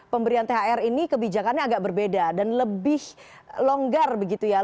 pemberian thr ini kebijakannya agak berbeda dan lebih longgar begitu ya